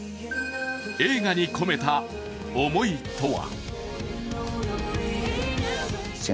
映画に込めた思いとは。